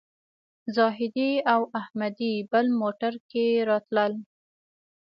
زاهدي او احمدي بل موټر کې راتلل.